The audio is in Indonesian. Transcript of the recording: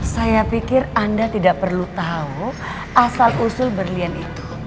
saya pikir anda tidak perlu tahu asal usul berlian itu